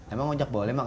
emang ojek boleh mak